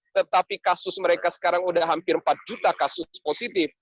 tetapi kasus mereka sekarang sudah hampir empat juta kasus positif